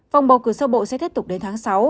vòng bầu cử sơ bộ sẽ tiếp tục đến tháng sáu